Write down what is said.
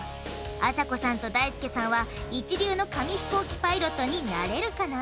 あさこさんとだいすけさんは一流の紙ひこうきパイロットになれるかな？